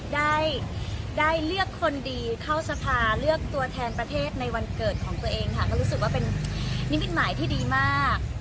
ได้ได้เลือกคนดีเข้าสภาเลือกตัวแทนประเทศในวันเกิดของตัวเองค่ะก็รู้สึกว่าเป็นนิมิตหมายที่ดีมาก